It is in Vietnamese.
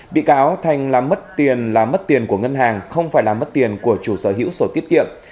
bị cáo thành là mất tiền là mất tiền của ngân hàng không phải là mất tiền của chủ sở hữu sổ tiết kiệm